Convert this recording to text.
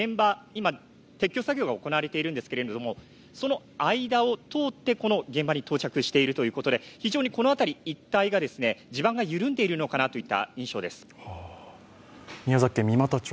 今、撤去作業が行われているんですけれどもその間を通って、この現場に到着しているということで、非常にこの辺り一体が地盤が緩んでいるのかなといった印象です。